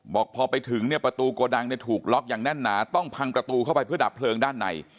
บอกพอไปถึงเนี่ยประตูโกดังเนี่ยถูกล็อกอย่างแน่นหนาต้องพังประตูเข้าไปเพื่อดับเพลิงด้านใน